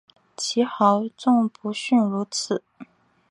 其豪纵不逊如此。